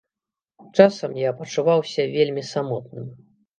Часам я пачуваўся вельмі самотным.